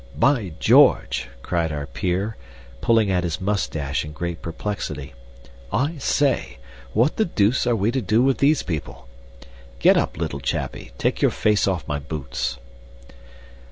"By George!" cried our peer, pulling at his moustache in great perplexity, "I say what the deuce are we to do with these people? Get up, little chappie, and take your face off my boots."